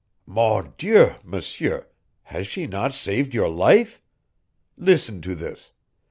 "Mon Dieu, M'seur, has she not saved your life! Listen to this!